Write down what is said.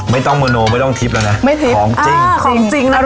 ไม่ต้องโมโนไม่ต้องนะไม่คิดของจริงร้อนของจริงแล้ว